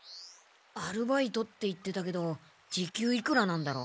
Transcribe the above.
アルバイトって言ってたけど時給いくらなんだろ。